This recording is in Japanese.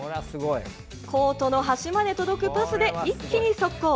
コートの端まで届くパスで一気に速攻。